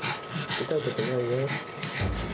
痛いことないよ。